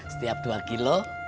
setiap dua kilo